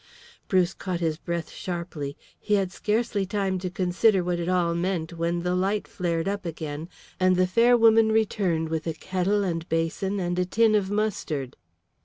Bruce caught his breath sharply. He had scarcely time to consider what it all meant when the light flared up again, and the fair woman returned with a kettle and basin and a tin of mustard.